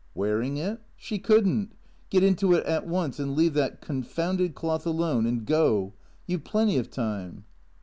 " Wearing it ? She could n't. Get into it at once, and leave that confounded cloth alone and go. You've plenty of time."